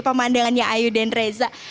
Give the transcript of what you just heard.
pemandangannya ayu dan reza